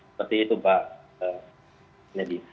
seperti itu mbak luki